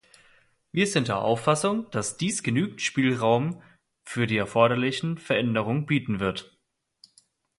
Wir sind der Auffassung, dass dies genügend Spielraum für die erforderlichen Veränderungen bieten wird.